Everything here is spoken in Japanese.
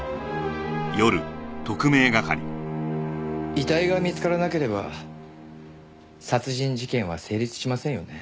遺体が見つからなければ殺人事件は成立しませんよね。